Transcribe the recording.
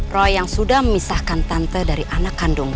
roy yang sudah memisahkan tante dari anak kandung